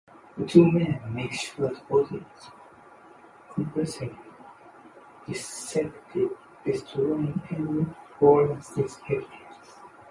The two men make sure the body is comprehensively dissected, destroying any forensic evidence.